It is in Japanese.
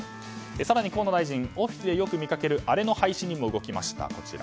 更に河野大臣オフィスでよく見かけるあれの廃止にも動きました。